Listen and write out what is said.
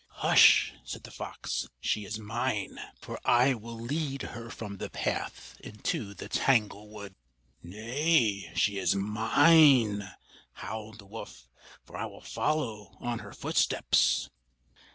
"Hush!" said the fox, "she is mine; for I will lead her from the path into the tanglewood!" "Nay, she is mine!" howled the wolf; "for I will follow on her footsteps!"